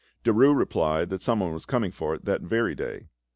Derues replied that someone was coming for it that very day.